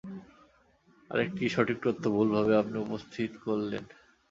আরেকটি সঠিক তঁথ্য ভুলভাবে আপনি উপস্থিত করলেন।